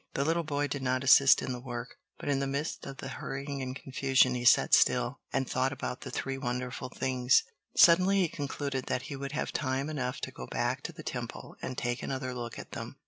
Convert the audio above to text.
The little boy did not assist in the work, but in the midst of the hurry and confusion he sat still and thought about the three wonderful things. Suddenly he concluded that he would have time enough to go back to the Temple and take another look at them.